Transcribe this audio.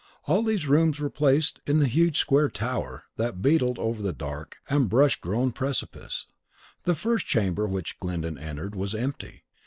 All these rooms were placed in the huge square tower that beetled over the dark and bush grown precipice. The first chamber which Glyndon entered was empty.